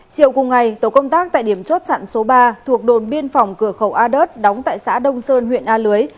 chiều cùng ngày tổ công tác tại điểm chốt chặn số ba thuộc đồn biên phòng cửa khẩu a đớt đóng tại xã đông sơn huyện a lưới